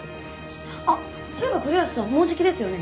あっそういえば栗橋さんもうじきですよね？